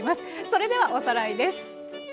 それではおさらいです。